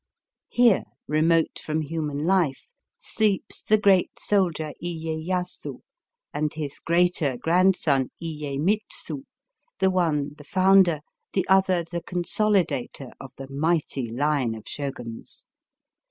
Here, remote from human life, sleeps the great soldier lyeyasu and his greater grandson lyemitsu, the one the founder, the other the consolidator of the mighty line of Shoguns.